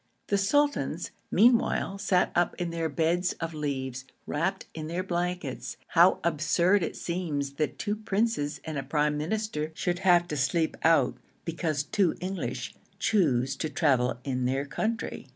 The sultans, meanwhile, sat up in their beds of leaves wrapped in their blankets. How absurd it seems that two princes and a prime minister should have to sleep out because two English choose to travel in their country!